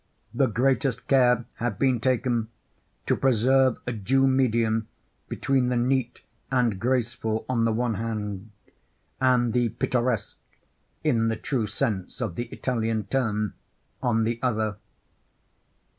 The greatest care had been taken to preserve a due medium between the neat and graceful on the one hand, and the pittoresque, in the true sense of the Italian term, on the other.